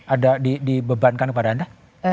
ada dibebankan kepada anda